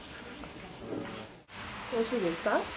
おいしいですか？